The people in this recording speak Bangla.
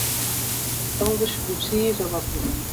এবং বেশ গুছিয়েই জবাব দিলেন।